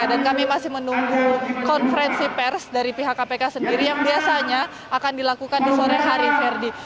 dan kami masih menunggu konferensi pers dari pihak kpk sendiri yang biasanya akan dilakukan di sore hari ferdi